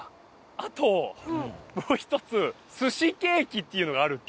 あともう一つ寿司ケーキっていうのがあるって。